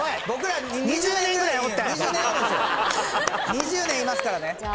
２０年いますからね。